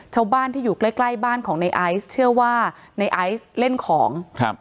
ชาวบ้านที่อยู่ใกล้ใกล้บ้านของในไอซ์เชื่อว่าในไอซ์เล่นของครับ